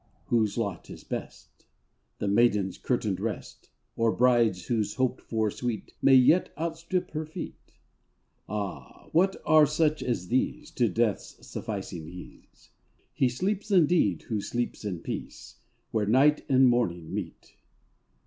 Whose lot is best: The maiden's curtained rest. Or bride's whose hoped for sweet May yet outstrip her feet ? Ah ! what are such as these To death's sufficing ease ? He sleeps indeed who sleeps in peace Where night and morning meet.